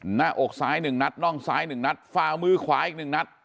หน้าอกซ้าย๑นัดน่องซ้าย๑นัดฝ่ามือขวาอีก๑นัด